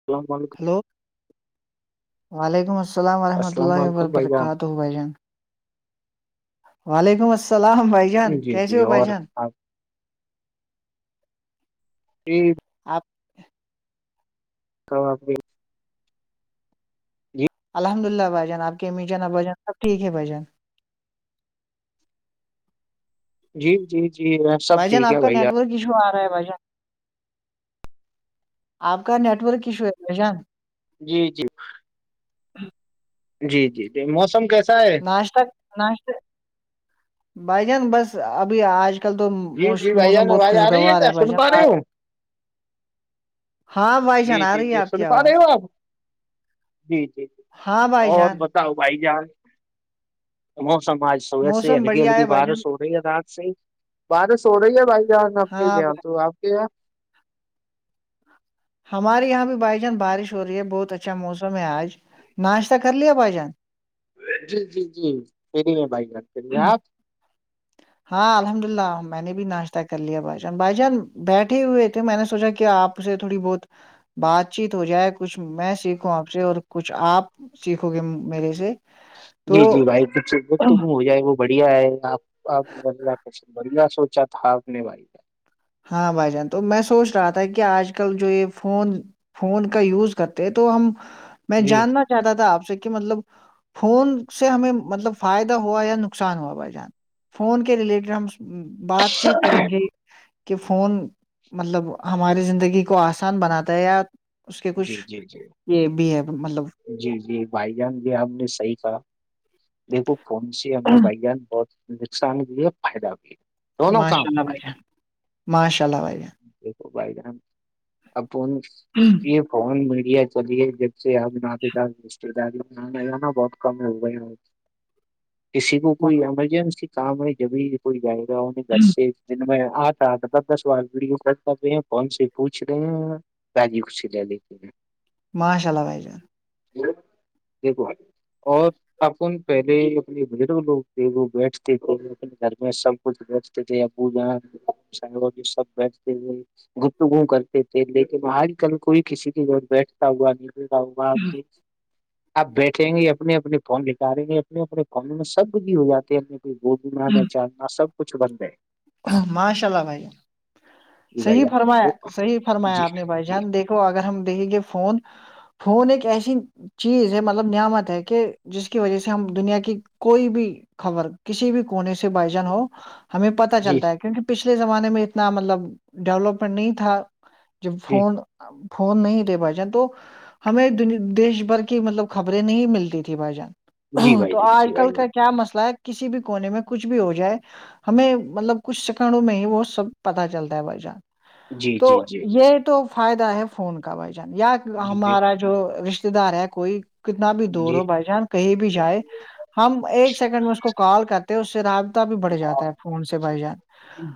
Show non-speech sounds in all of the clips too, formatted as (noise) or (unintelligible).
السلام علیکم ہلو وعلیکم السلام ورحمۃ السلام اللہ و علیکم بھائی جان برکاتہ بھائی جان وعلیکم السلام بھائی جان جی کیسے جی ہو بائی اور جان آپ ج آپ ک آاب بھی الحمد للہ بھ جان آپ کے امیجانا بھجانبٹیک بھ جان جی جی جی سب بھائی جان ٹھیک آپ ہے کا نیٹ ورک ایشو آ رہا ہے بھ جان آپ کا نیٹورک ایشو ہے بھ جان جی جی ہ جی جی جی موسم کیسا ہے بھائی جان ب اب آج کل تو جی جی بھائی موسم جان بہت آواز آ رہی خوشگوار ہے کیا بھائی سن پا رہے ہو ہاں بھائی جان جی آ جی رہی ہے جی آپ کی سن پا رہے آواز ہو آپ جی جی جی ہاں بھائی بہت جان بت تا ہ بھائی جان وہ سماج سوح سے موسم الگی بڑھیا الگی ہے بھائی بار جان س ہو رہی ہے رات سے ہی بارس ہو رہی ہے بھائی جان اپنے ہاں یہاں بھائی- تو آپ کے یہاں ہمارے یہاں بھی بھائی جان بارش ہو رہی ہے بہت اچھا موسم ہے آج ناشتہ کر لیا بھائی جان جی جی جی فری ہیں بھائی بات کریے آپ ہاں الحمد للہ میں نے بھی ناشہ کر لیا بھائی جان بھائی جان بیٹھے ہوئے تھے میں نے سوچا کہ آپ اے تھوڑی بہت بات چیت ہو جائے کچھ میں سیکھوں آپ سے اور کچھ آپ سیکھو گے میرے سے تو جی جی بھائی کچ وہ تو گم ہو جائے گ وہ بڑھیا ہے آپ آپ نےے بڑھیا سوچا تھا آپ نے بھائی ہاں بھائی جان تو میں سوچ رہا تھا کہ آج کل جو یہ فون فون کا یوز کرتے ہیں تو ہم میں جی جاننا چاہتا تھا آپ سے کہ مطلب فون سے ہمیں مطلب فائدہ ہوا یا نقصان ہوا بھائی جان فون کے ریلیٹڈ ہم بات چیت کریں گے کہ فون مطلب ہماری زندگی کو آسان بناتا ہے یا اس کے کچھ جی جی جی یہ بھی ہے مطلب جی جی بائی جانس بھی آپ نے صحیح کہا دیکھو فون سے ہمیں بھائیان بہت نقصان بھی ہے فائدہ بھی ہے دونوں کام ماشاء ہے اللہ بھائی بیان جان ماشاء اللہ بائیان دیکھو بائی چانس اپ ہوں یہ فن میڈیا چلی ہے جب سے آپ لگا بہت کم ہو گئے ہیں کسی کو کوئی ایمرجنسی کام ہے جب کوئی جائے گا انیں گھر سے جن میں آتا تو دس دس بار ویڈیو کال کر رہے ہیں فون سے پوچھ رہے ہیں بجی ک چ ل لے ماشاء اللہ بھائی جان دیکھو اور اپن پہلے اپنے بزرگ لوگ تھے وہ بیٹھتے تھے اپنے گھر میں سب کچھ بیچتے تھے پوجا س سب بیتے تھے گپتگو کرتے تھے لیکن آج کل کوئی کسی کے گھر بیٹھتا ہوا نہیںتا ہوا آمی آپ بیٹھیں گے اپنے اپنے فون نکھاریں گے اپنے اپنے فون میں سب ک بھی ہو جاتے ہیں اپنے گومنا میں چاننا سب کچھ بن گئے ماشاء اللہ بھائیے جی بھائی صحی فرمایا جان صحیح جی فرمایا آپ نے بھائی جی جان دیکھو اگر ہم دیکیں گے فون فون اییں چیز ہے مطلب نعمت ہے کہ جس کی وجہ سے ہم دنیا کی کوئی بھی خبر کسی بھی کونے سے بائجان ہو ہمیں پتا جی چلتا ہے کیونکہ پچھلے زمانے میں اتنا مطلب ڈیولپمنٹ نہیں تھا ج جی فون فون نہیں تھے بھائی جان تو ہمیں دیش بھر کی مطلب خبریں نہیں ملتی تھی بھائی جان جی بھائی تو جان آج جی بھائی کل کا جان کیا مسئلہ ہے کسی بھی کونے میں کچھ بھی ہو جائے ہمیں مطلب کچھ سیکنڈوں میں ہی وہ سب پتا چلتا ہے با جی تو جی جی جی یہ تو فائدہ ہے فون کا بھائی جان یا جی ہمارا جو رشتے دار ہے کوئی کتنا بھی دور جی ہو بائی جان کہیں بھی جائے ہم ایک سیکنڈ میں اس کو کال کر اس سے رابطہ بھی بڑھ جاتا ہے فون سے بھائی جان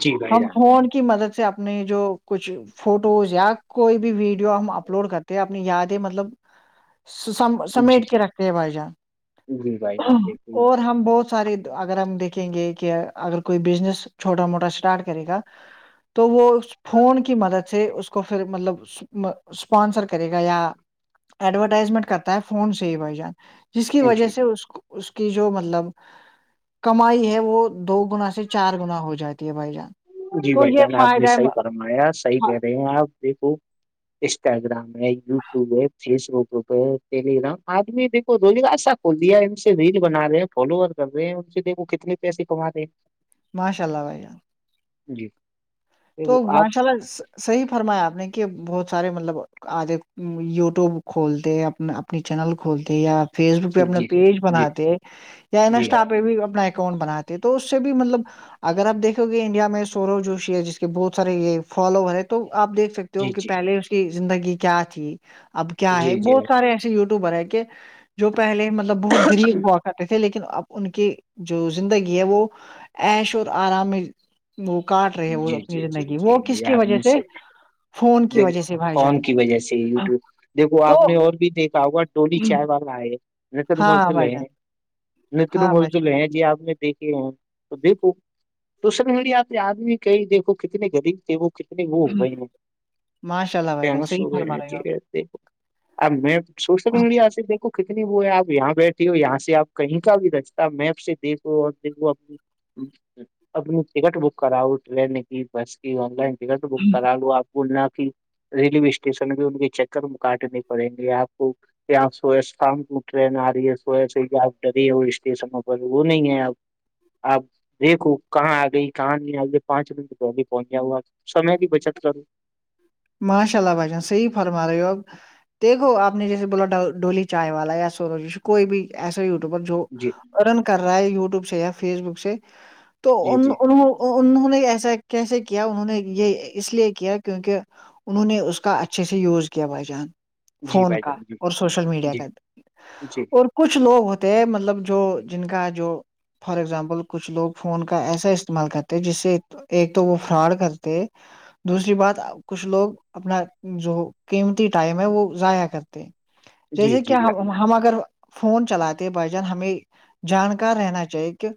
جی بھائی ہم جان فون کی مدد سے اپنے جو کچھ فوٹوز یا کوئی بھی ویڈیو ہم اپلوڈ کرتے ہیں اپنی یادیں مطلب س جی سمیٹ کے رکھتے ہیں بھائی جان جی بھائی جان بالکل اور ہم بہت سارے اگر ہم دیکھیں گے کہ اگر کوئی بزنس چھوٹا موٹا اسٹارٹ کرے گا تو وہ اس فون کی مدد سے اس کو پھر مطلب اسپانسر کرے گا یا ایڈورٹائزمنٹ کرتا ہے فون سے ہی بھائی جان جس کی وجہ جی سے اس کو اس کی جو مطلب کمائی ہے وہ دو گنا سے چار گنا ہو جاتی ہے بھائی جان جی تو بھ جان یہ آپ نے فائدہ ہے صحیح فرمایا صحیح کہہ رہے ہیں آپ دیکھو انسٹاگرام ہے یو ٹیوب ہے فیس بکپ ٹیلی گگرام آدمی دیکو روے گا سا وہ لیا ان سے ریل بنا رہے ہیں فالوور کر رہے ہیں ان سے دیکھو کتنے پیسے کما رہے ہیں ماشاء اللہ بھائی جان جی تو آپ ماشاء ال صحیح فرمایا آپ نے کہ بہت سارے مطلب آگے یوٹیوب کھولتے اپنا اپنی چینل کھولتے یا فیس بک پہ جی اپنا جی پیج جی بناتے یا جی انسٹا پہ بھی اپنا کون بناتے تو اس سے بھی مطلب اگر آپ دیکھو گے انڈیا میں سورو جوشی ہے جس کہ بہت سارے یہ فالو ہے تو آپ دیکھ سکتے جی جی ہو کہ پہلے اس کی زندگی کیا تھی اب کیا ہے جی جی جی بہت سارے ایسے یوٹیوبر ہیں کہ جو پہلے مطلب بہت غریب ہوا کرتے تھے لیکن اب ان کی جو زندگی ہے وہ ایش اور آرام میں وہ کاٹ رہے ہیں وہ جی ی جی زندگی وہ کس کی وجہ سے فون کی وجہ سے بھائی کون جان کی وجہ سے یوٹیوب دیکھو تو آپ نے اور بھی دیکھا ہوگا ٹولی چائے وال آئے نتن ہاں مردل بھائی جان ہیں نتن ہاں بھائی مردل ہے جی آپ نے دیکھے ہیں تو دیکھو تو سر مڑی آپ نے آدمی کہئی دیکھو کتنے غریب تھے وہ کتنے وہ ہو گئے ہیں معاشلا فیمس ہو گئے ہیں ج اب میں سوشل میڈیا سے دیکھو کتنی وہ ہے آپ یہاں بیٹھی ہو یہاں سے آپ کہیں کا بھی ر میپ سے دیکھو اور دیکھ اپنی ٹکٹ بک کراؤ ٹرین کی بس کی آن لائن ٹکٹ تو کرا لو آپ بولنا آ کی ریلوے اسٹیشن بھی ان کے چکر میں کاٹنے پڑیں گے آپ کو یہپ سوہستان ٹرین آ رہی ہے سو سے کہ آپ ڈری ہے وہ اسٹیشنوں پر وہ نہیں ہے آپ آپ دیکھو کہاں آ گئی کہاں نہیں آ گے پانچ منٹ پہلے پہنچا ہوا سمے کی بچت کرو ماشاء اللہ بچان صحیح فرمار رہے ہوگ دیکھو آپ نے جیسے بولا ڈولی چائے والا یا سو جش کوئی بھی ایسا یٹیوبر جو جی ارن کر رہا ہے یٹیوب سے یا فیس بک سے تو جی ان جی انہوں نے ایسا کیسے کیا انہوں نے یہ اس لیے کیا کیونکہ انہوں نے اس کا اچھے سے یوز کیا بھائی جان جی فون بھائی کا جان جی اور سوشل میڈیا جی کا جی اور کچھ لوگ ہوتے مطلب جو جن کا جو فار اگزامپل کچھ لوگ فون کا ایسا استعمال کرتے جس سے ایک تو وہ فراڈ کرتے دوسری بات کچھ لوگ اپنا جو قیمتی ٹائم ہے وہ ضائع کرتے جی جیسے کہ جی بھائی جان ہم اگر فون چلاتے بائی جان ہمیں جانکار رہنا چاہیے کہ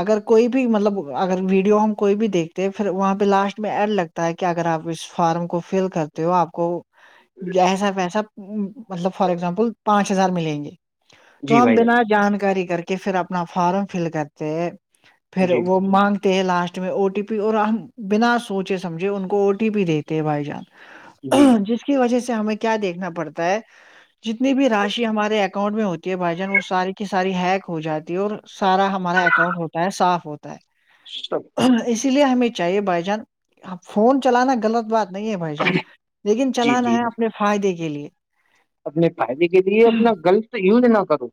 اگر کوئی بھی مطلب اگر ویڈیو ہم کوئی بھی دیکھتے ہیں پھر وہاں پہ لاسٹ میں ایڈ لگتا ہے کہ اگر آپ اس فارم کو فل کرتے ہو آپ کو جسا ویسا مطلب فار ایگزامپل پانچ ہزار ملیں گے جی تو ہم بھائی بنا جان جانکاری کر کے پھر اپنا فارم فل کرتے ہیں پھر جی وہ مانگتے ہیں لاسٹ میں او ٹی پی اور ہم بنا سوچے سمجھے ان کو او ٹی ٹی بھی دیتے ہیں بائی جانس جی اس کی وجہ سے ہمیں کیا دیکھنا پڑتا ہے جتنی بھی راشی ہمارے اکاؤنٹ میں ہوتی ہے بھائی جان وہ ساری کی ساری ہیک ہو جاتی اور سارا ہمارا اکاؤنٹ ہوتا ہے صاف ہوتا ہے شھ اسی لیے ہمیں چاہیے بھائی جان فون چلانا غلط بات نہیں ہے بھائی جان لیکن جی چلانا جی ہے اپنے فائدے کے لیے اپنے فائدے کے لیے اپنا گغلت یوز نہ کروں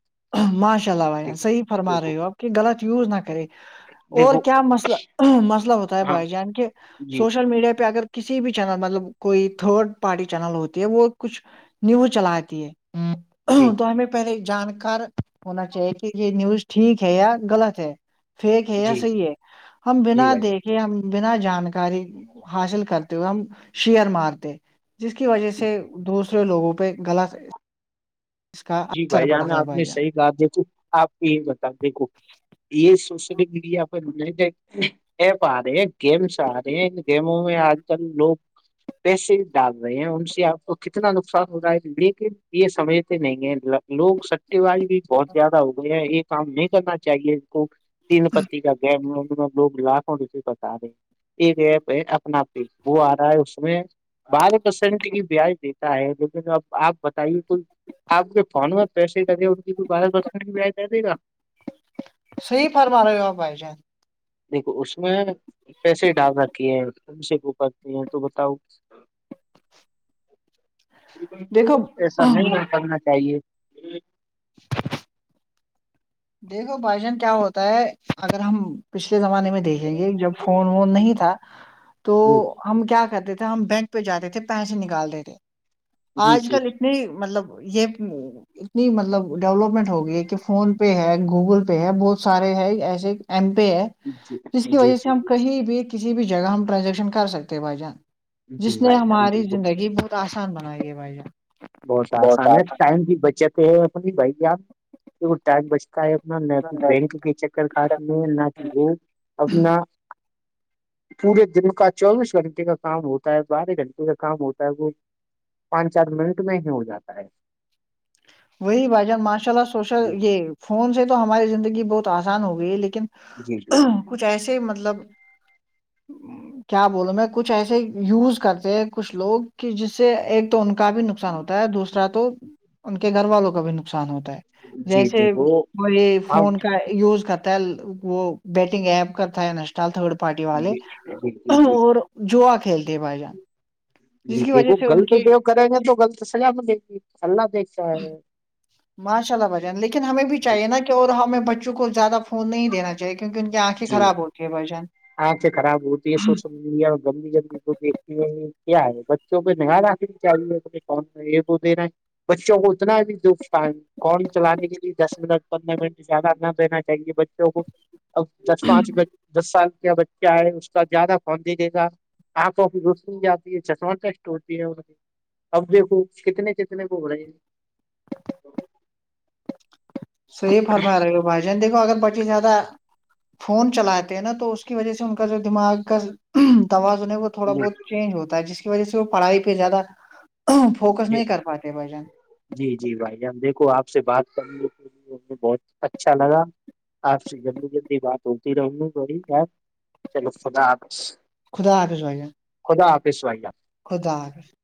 ماشاء اللہ بھائی صحیح فرما رہے ہو آپ کہ غلط یوز نہ کرے اور دیکھو کیا مسئلہ مسئلہ ہوتا ہے ہاں بھائی جان کے جی سوشل میڈیا پہ اگر کسی بھی چینل مطلب کوئی تھرڈ پارٹی چینل ہوتی ہے وہ کچھ نیوز چلاتی ہے جی تو ہمیں پہلے جان ار ہونا چاہیے کہ یہ نیوز ٹھیک ہے یا غلط ہے فیک ہے یا جی صحیح ہے ہم جی بنا بھائی دیکھ ہم بنا جانکاری حاصل کرتے ہوئے ہم شیئر مارتے جس کی وجہ سے جان دوسرے لوگوں پہ غلط اس کا جی اثر بھائی جان پڑتا ہے آپ نے بھائی جان صحیح کہا دیکھو آپ کے یہ بتا دیکھو یہ سوشل میڈیا پر ائڈڈ ایپ آ رہے ہے گیمس آ رہے ہیں ان گیموں میں آج کل لوگ پیسے ڈال رہے ہیں ان سے آپ کو کتنا نقصان ہو رہا ہے لیکن یہ سمجھتے نہیں ہیں لوگ سٹتے باز بھی بہت زیادہ ہو گئے ہیں یہ کام نہیں کرنا چاہیے تین پتی کا گم لوگ لاے بتا رہے ہیں ایک ایپ ہے اپنا آپ وہ آ رہا ہے اس میں بارہ پرسینٹ کی بیاج دیتا ہے لیکن اب آپ تے کوئی آپ کے فون میں پیسے د دے ان کی کوئی بار بسنے کی بعائے د دے گا سی فار مہارا گا پے دیکھو اس میں پیسے ڈال رکے ہے ہیںے کو کرتی ہیں تو بتاؤ (unintelligible) دیکھو ایسا نہیں کرنا چاہیے دیکھو بھائی جان کیا ہوتا ہے اگر ہم پچھلے زمانے میں دیکھیں گے جب فون وون نہیں تھا تو جی ہم کیا کرتے تھے ہم بینک پہ جاتے تھے پیسے نکالتے تھے جی آج جی کل جی نہیں مطلب یہ اتنی مطلب ڈیولپمنٹ ہو گئی ہے کہ فون پے ہے گوگل پے ہے بہت سارے ہے ایسے ایم پے ہے جی جس کی جی وجہ سے ہم جی کہیں بھی کسی بھی جگہ ہم ٹرانزیکشن کر سکتے بھائی جان جی جس نے بھائی جان ہماری بالکل زندگی بہت آسان بنائی ہے بھائی بہت آسان ہے ٹائم بھی بچت ہے اپنی بھائی آپ کی ٹائم ب اپنا نہ کہ بینک کے چکر کاٹ آسان ل نہ کہ وہ اپنا (unintelligible) پورے دن کا چوبیس گھنٹے کا کام ہوتا ہے بارہ گھنٹے کا کام ہوتا ہے وہ پانچ چار منٹ میں ہی ہو جاتا ہے وہی بھائی جان ماشاء اللہ سوشل جی یہ فون سے تو ہماری زندگی بہت آسان ہو گئی لیکن جی جی کچھ ایسے مطلب کیا بولوں میں کچھ ایسے یوز کرتے ہیں کچھ لوگ کہ جس سے ایک تو ان کا بھی نقصان ہوتا ہے دوسرا تو کہ گھر والوں کا بھی نقصان ہوتا ہے جی جیسے دیکھو وہ یہ فون آپ کا یوز کرتا ہے وہ بیٹنگ ایپ کرتا ہے ن چال تھرڈ پارٹی والے جی جی جی جی اور جو کھیلتے ہیں بھائی جان جس کی دیکھو وجہ سے ان غلط کی بہیو کریں گے تو غلط سزا میں دے گی اللہ دیکھتا ہے (unintelligible) ماشاء اللہ ب جان لیکن ہمیں بھی چاہیے نا کہ اور ہمیں بچوں کو زیادہ فون نہیں دینا چاہیے کیک جی آپ سے خراب ہوتی ہے سوشل میڈیا گندی گندی دیکتی کیا ہے بچوں کو نیا رکھ چاہی کون یہ کو دے رہا ہے (unintelligible) بچوں کو اتنا بھی دکھ پائیں گے (unintelligible) کون چلانے کے لیے دس منٹ پندرہ منٹ زیادہ نہ رہینا چاہیے بچوں کو (unintelligible) اب دس پانچ دس سال کے ب کیا ہے اس کا زیادہ فون د دے گا آنکھوں کی رس نہیں جاتی ہے چشمہ کسٹ ہوتی ہے کی (unintelligible) اب دیکھو کتنے کتنے کو ہو رہے ہیں صحی فرما رہے ہو بھائی جان دیکھو اگر بچیں زیادہ فون چلاتے ہیں نا تو اس کی وجہ سے ان کا جو دماغ کا تووازن ہے وہ تھوڑا ہیں بہت چینج ہوتا ہے جس کی وجہ سے وہ پڑھائی پہ زیادہ فوکس جی نہیں کر پاتے بھ جان جی جی بھائی ہم دیکھو آپ سے بات کریںے بہت اچھا لگا آپ سے جلدی جلدی بات ہوتی رہوں گی بڑی یار چلو خدا حافظ (unintelligible) خدا حفظ بھائی جان خدا حافظ بھائی جان خدا حافظ